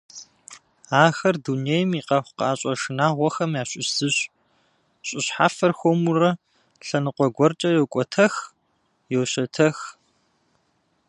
Ахэр дунейм и къэхъукъащӏэ шынагъуэхэм ящыщ зыщ, щӏы щхьэфэр хуэмурэ лъэныкъуэ гуэркӏэ йокӏуэтэх, йощэтэх.